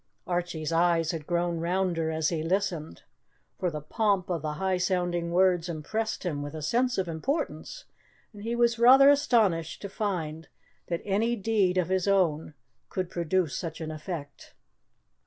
Archie's eyes had grown rounder as he listened, for the pomp of the high sounding words impressed him with a sense of importance, and he was rather astonished to find that any deed of his own could produce such an effect.